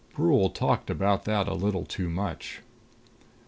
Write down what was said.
Brule talked about that a little too much.